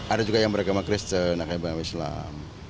ada juga yang beragama kristen agama islam